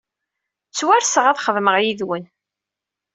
Ttwarseɣ ad xedmeɣ yid-wen.